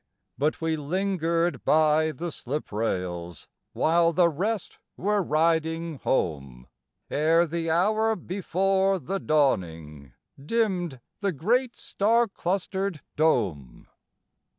But we lingered by the sliprails While the rest were riding home, Ere the hour before the dawning Dimmed the great star clustered dome.